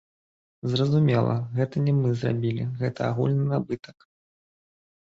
Зразумела, гэта не мы зрабілі, гэта агульны набытак.